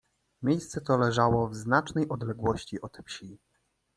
Miejsce to leżało w znacznej odległości od wsi.